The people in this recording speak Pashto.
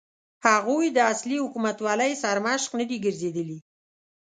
هغوی د اصلي حکومتولۍ سرمشق نه دي ګرځېدلي.